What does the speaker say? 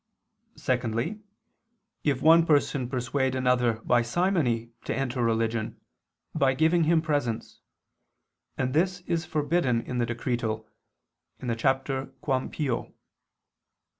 Secondly, if one person persuade another simoniacally to enter religion, by giving him presents: and this is forbidden in the Decretal (I, qu. ii, cap. Quam pio).